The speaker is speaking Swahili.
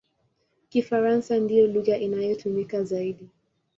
Kifaransa ndiyo lugha inayotumika zaidi.